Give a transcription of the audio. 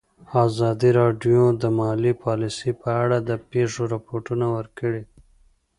ازادي راډیو د مالي پالیسي په اړه د پېښو رپوټونه ورکړي.